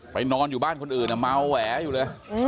นอนอยู่บ้านคนอื่นเมาแหวอยู่เลย